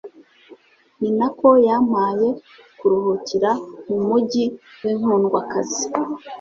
ni na ko yampaye kuruhukira mu mugi w'inkundwakazi